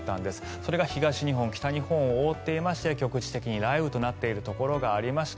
それが東日本、北日本を覆っていまして局地的に雷雨となっているところがありました。